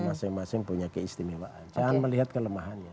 masing masing punya keistimewaan jangan melihat kelemahannya